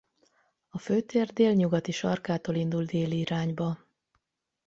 A Fő tér délnyugati sarkától indul déli irányba.